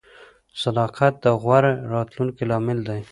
• صداقت د غوره راتلونکي لامل دی.